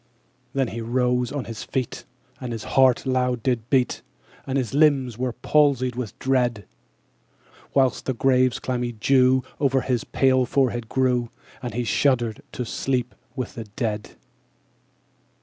10. Then he rose on his feet, And his heart loud did beat, And his limbs they were palsied with dread; _55 Whilst the grave's clammy dew O'er his pale forehead grew; And he shuddered to sleep with the dead.